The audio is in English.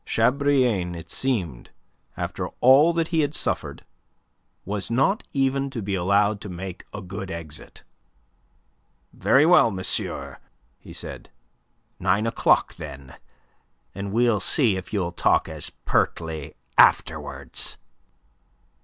Chabrillane, it seemed, after all that he had suffered, was not even to be allowed to make a good exit. "Very well, monsieur," he said. "Nine o'clock, then; and we'll see if you'll talk as pertly afterwards."